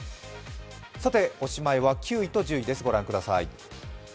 さておしまいは９位と１０位です。